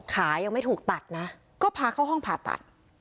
ขายังไม่ถูกตัดนะก็พาเข้าห้องผ่าตัด